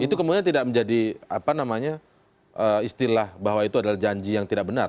itu kemungkinan tidak menjadi istilah bahwa itu adalah janji yang tidak benar